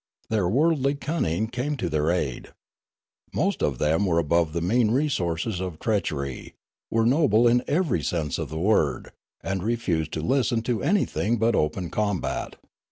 Their worldly cunning came to their aid. Most of them were above the mean resources of treach Qxy, were noble in every sense of the word, and refused to listen to anything but open combat.